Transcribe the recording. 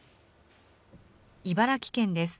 茨城県です。